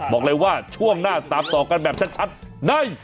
บอกเลยว่าช่วงหน้าตามต่อกันแบบชัดใน